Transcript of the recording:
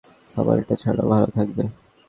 খাবার এটা ছাড়াও ভালো থাকবে!